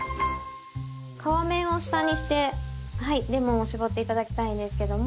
皮面を下にしてレモンを搾って頂きたいんですけども。